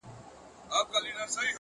o زه به همدغه سي شعرونه ليكم ـ